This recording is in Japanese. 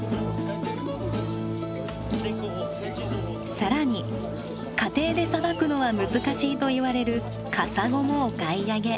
さらに家庭でさばくのは難しいといわれるカサゴもお買い上げ。